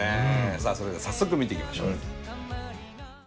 さあそれでは早速見ていきましょう！